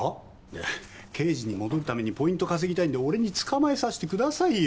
いや刑事に戻るためにポイント稼ぎたいんで俺に捕まえさしてくださいよ。